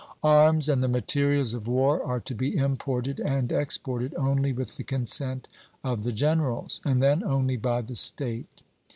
Arms and the materials of war are to be imported and exported only with the consent of the generals, and then only by the state.